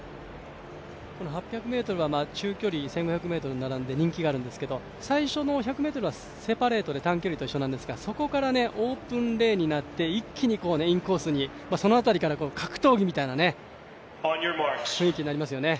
この８００ｍは中距離１５００ｍに並んで人気があるんですけど最初の１００ｍはセパレートで短距離と一緒なんですけど、そこからオープンレーンになって一気にインコースに、その辺りから格闘技みたいな雰囲気になりますよね。